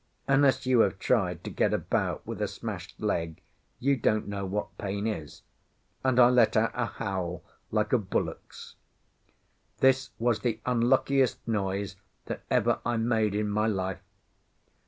Unless you have tried to get about with a smashed leg you don't know what pain is, and I let out a howl like a bullock's. This was the unluckiest noise that ever I made in my life.